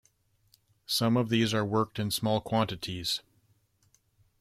Some of these are worked in small quantities.